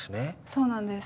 そうなんです。